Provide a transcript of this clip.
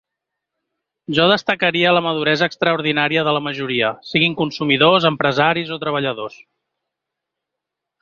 Jo destacaria la maduresa extraordinària de la majoria, siguin consumidors, empresaris o treballadors.